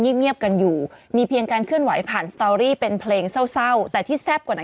แถต่อคู่รักเสียงดีเราฟังมาเป็นอาทิตย์นะ